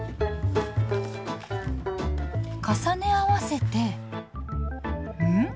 重ね合わせてん？